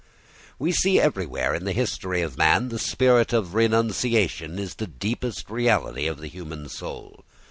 We see everywhere in the history of man that the spirit of renunciation is the deepest reality of the human soul.